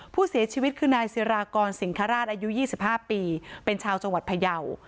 ผู้เสียชีวิตคือนายศิรากรสิงคราชอายุ๒๕ปีเป็นชาวจังหวัดพยาว